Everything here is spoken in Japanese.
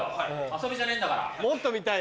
遊びじゃねえんだから。